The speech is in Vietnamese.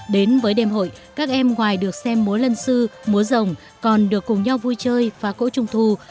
đến với đêm hội các em ngoài được xem múa lân sư múa rồng còn được cùng nhau vui chơi và cỗ trung thu